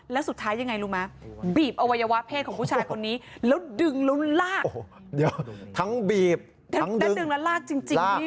แล้วถึงลากเธอตั้งดึงแล้วลากจริง